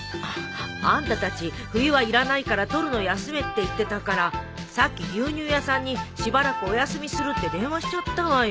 あんたたち冬はいらないから取るの休めって言ってたからさっき牛乳屋さんにしばらくお休みするって電話しちゃったわよ。